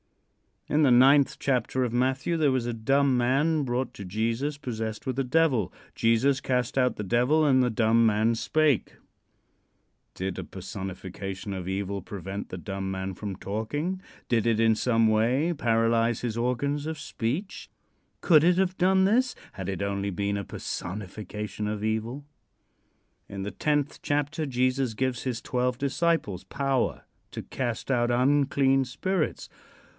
In the ninth chapter of Matthew there was a dumb man brought to Jesus, possessed with a devil. Jesus cast out the devil and the dumb man spake. Did a personification of evil prevent the dumb man from talking? Did it in some way paralyze his organs of speech? Could it have done this had it only been a personification of evil? In the tenth chapter Jesus gives his twelve disciples power to cast out unclean spirits.